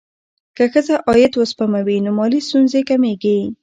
که ښځه عاید وسپموي، نو مالي ستونزې کمېږي.